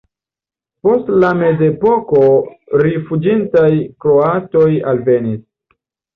Post la mezepoko rifuĝintaj kroatoj alvenis.